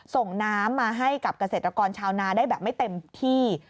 ส่งน้ำมาให้กับเกษตรกรชาวนาได้แบบไม่เต็มที่